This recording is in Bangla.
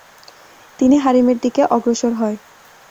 তিনি হারিমের দিকে অগ্রসর হয়।